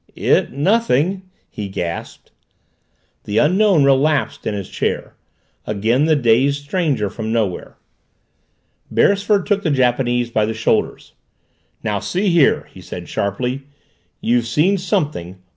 "It nothing," he gasped. The Unknown relapsed in his chair again the dazed stranger from nowhere. Beresford took the Japanese by the shoulders. "Now see here!" he said sharply. "You've seen something!